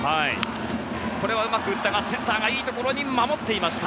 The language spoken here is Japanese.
これはうまく打ったがセンターがいいところに守っていました。